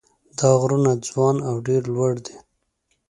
دا غرونه ځوان او ډېر لوړ دي.